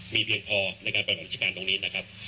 มีเพียงพอในการปฏิบัติราชการตรงนี้นะครับ